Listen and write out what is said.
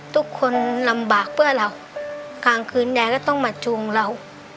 ทุกคนลำบากเพื่อเรากลางคืนยายก็ต้องมาจูงเรา